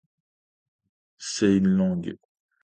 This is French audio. C’est une langue.